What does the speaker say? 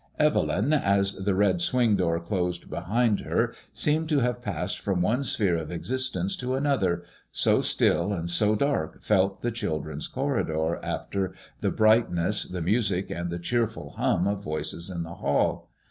Evelyn, as the red swing door closed behind her, seemed to have passed from one sphere of existence to another, so still and so dark felt the children's cor i 150 MADBMOISBLLB IXS. ridor after the brightness, the musicy and the cheerful hum of voices in the hall.